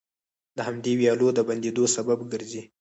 د همدې ويالو د بندېدو سبب ګرځي،